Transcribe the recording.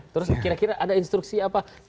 terus kira kira ada instruksi apa